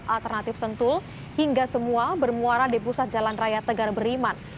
alternatif sentul hingga semua bermuara di pusat jalan raya tegar beriman